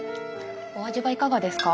お味はいかがですか？